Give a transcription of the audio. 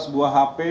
tujuh belas buah hp